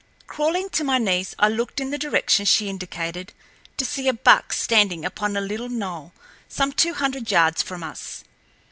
Crawling to my knees, I looked in the direction she indicated, to see a buck standing upon a little knoll some two hundred yards from us.